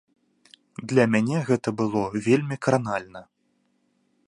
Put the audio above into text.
Для мяне гэта было вельмі кранальна.